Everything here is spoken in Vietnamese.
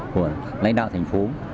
của lãnh đạo thành phố